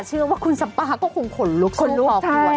เชื่อว่าคุณสัมปะก็คงขนลุกสู้พอควร